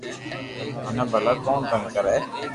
مني ڀلا ڪو تنگ ڪري